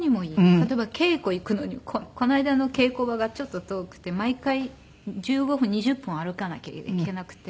例えば稽古行くのにもこの間の稽古場がちょっと遠くて毎回１５分２０分歩かなきゃいけなくて。